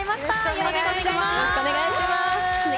よろしくお願いします。